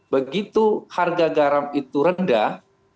begitu harga garam itu rendah